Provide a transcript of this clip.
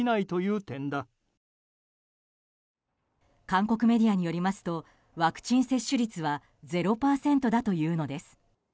韓国メディアによりますとワクチン接種率は０％だというのです。